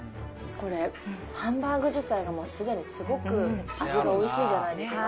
これ、ハンバーグ自体が、もうすでにすごく味がおいしいじゃないですか。